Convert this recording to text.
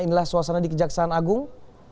inilah suasana di kejaksaan agung